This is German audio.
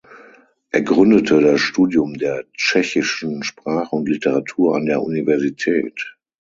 Er gründete das Studium der tschechischen Sprache und Literatur an der Universität.